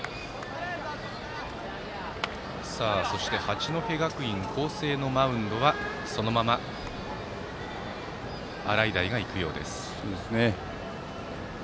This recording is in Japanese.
そして八戸学院光星のマウンドはそのまま洗平が行くようです。